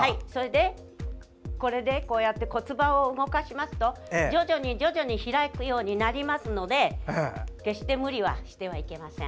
こうやって骨盤を動かしますと徐々に徐々に開くようになりますので決して無理はしてはいけません。